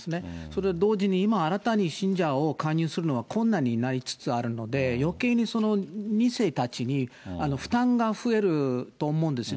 それ、同時に、今新たに信者を勧誘するのは困難になりつつあるので、よけいに２世たちに負担が増えると思うんです。